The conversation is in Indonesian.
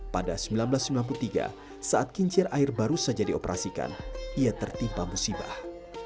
pada seribu sembilan ratus sembilan puluh tiga saat kincir air baru saja dioperasikan ia tertimpa musibah